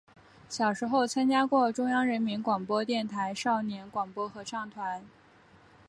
小时候参加过中央人民广播电台少年广播合唱团。